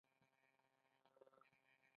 آیا کاناډا په نړۍ کې ښه نوم نلري؟